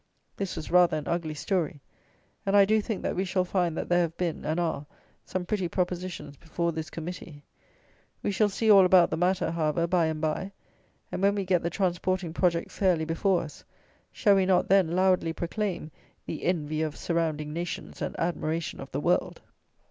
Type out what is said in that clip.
This was rather an ugly story; and I do think that we shall find that there have been, and are, some pretty propositions before this "Committee." We shall see all about the matter, however, by and by; and, when we get the transporting project fairly before us, shall we not then loudly proclaim "the envy of surrounding nations and admiration of the world"!